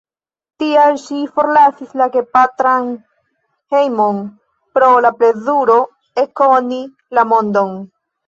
Tial ŝi forlasis la gepatran hejmon, pro la plezuro ekkoni la mondon.